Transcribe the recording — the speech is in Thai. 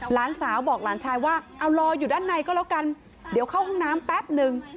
หลานสาวบอกหลานชายว่าเอารออยู่ด้านในก็แล้วกันเดี๋ยวเข้าห้องน้ำแป๊บนึง